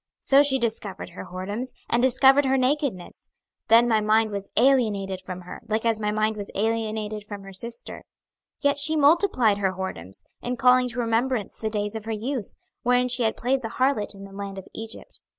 26:023:018 So she discovered her whoredoms, and discovered her nakedness: then my mind was alienated from her, like as my mind was alienated from her sister. 26:023:019 Yet she multiplied her whoredoms, in calling to remembrance the days of her youth, wherein she had played the harlot in the land of Egypt.